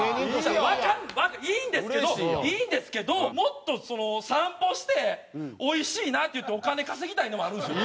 いいんですけどいいんですけどもっと散歩して「おいしいなあ」って言ってお金稼ぎたいのもあるんですよ。